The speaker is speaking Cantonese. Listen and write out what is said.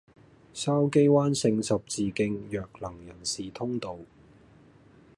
筲箕灣聖十字徑弱能人士通道